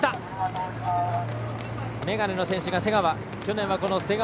眼鏡の選手が瀬川。